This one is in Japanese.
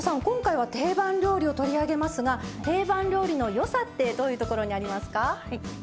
今回は定番料理を取り上げますが定番料理の良さってどういうところにありますか？